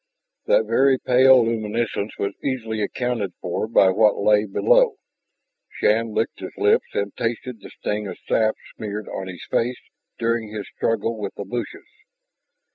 That very pale luminescence was easily accounted for by what lay below. Shann licked his lips and tasted the sting of sap smeared on his face during his struggle with the bushes.